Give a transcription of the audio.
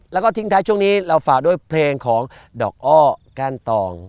แล้วก็ทิ้งท้ายช่วงนี้เราฝากด้วยเพลงของดอกอ้อแกนตอง